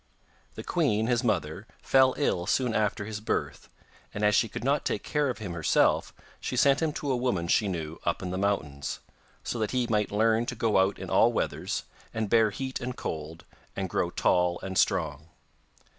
The queen, his mother, fell ill soon after his birth, and as she could not take care of him herself she sent him to a woman she knew up in the mountains, so that he might learn to go out in all weathers, and bear heat and cold, and grow tall and strong.